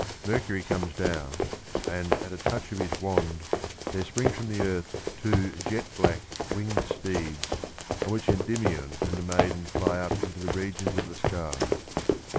Mercury comes down, and at a touch of his wand there spring from the earth two jet black winged steeds on which Endymion and the maiden fly up into the regions of the sky (347).